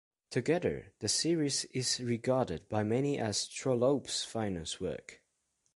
Together, the series is regarded by many as Trollope's finest work.